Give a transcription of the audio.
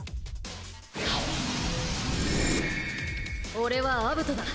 俺はアブトだ。